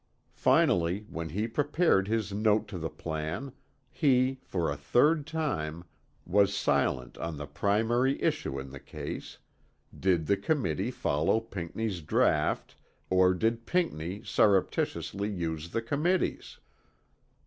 Finally when he prepared his Note to the Plan, he for a third time, was silent on the primary issue in the case, Did the Committee follow Pinckney's draught or did Pinckney surreptitiously use the Committee's?